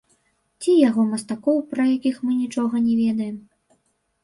Ці яго мастакоў, пра якіх мы нічога не ведаем.